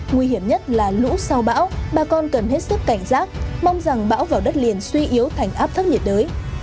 nguy hiểm nhất là lũ sau bão bà con cần hết sức cảnh giác mong rằng bão vào đất liền suy yếu thành áp thấp nhiệt đới